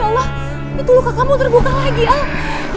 ya allah itu luka kamu terbuka lagi al